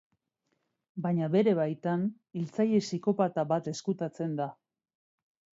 Baina bete baitan hiltzaile psikopata bat ezkutatzen da.